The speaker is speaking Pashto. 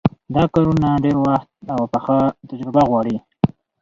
دا کارونه ډېر وخت او پخه تجربه غواړي.